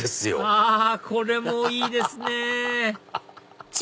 あこれもいいですね！